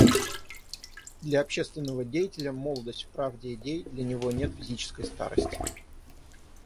Для общественного деятеля молодость в правде идей, для него нет физической старости.